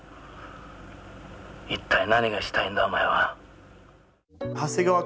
一体何がしたいんだお前は。